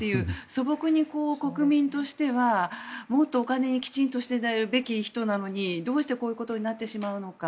素朴に国民としてはもっとお金にきちんとしているべき人なのにどうしてこういうことになってしまうのか。